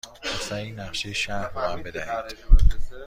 لطفاً یک نقشه شهر به من بدهید.